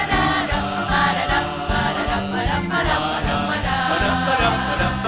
จับเต็มระเทียมเต็มแสง